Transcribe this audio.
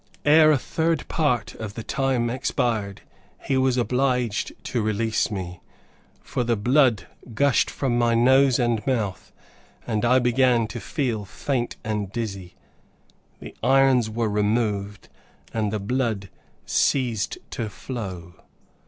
Ere a third part of the time expired, he was obliged to release me, for the blood gushed from my nose and mouth, and I began to feel faint and dizzy. The irons were removed, and the blood ceased to flow.